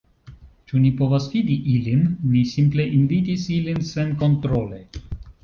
Ĉu ni povas fidi ilin? Ni simple invitis ilin senkontrole